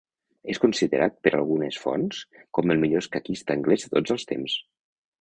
És considerat per algunes fonts com el millor escaquista anglès de tots els temps.